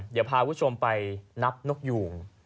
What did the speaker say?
เดี๋ยวพาคุณผู้ชมไปนับนกยูง